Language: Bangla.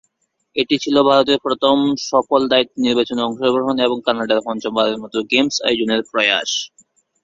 এটি ছিল ভারতের প্রথম সফল দায়িত্ব নির্বাচনে অংশগ্রহণ এবং কানাডার পঞ্চম বারের মতো গেমস আয়োজনের প্রয়াস।